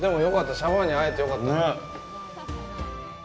シャバーニに会えてよかった。